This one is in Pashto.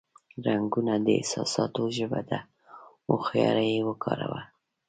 رنگونه د احساساتو ژبه ده، هوښیار یې وکاروه.